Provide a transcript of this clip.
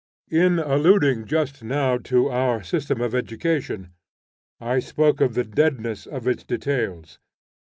In alluding just now to our system of education, I spoke of the deadness of its details.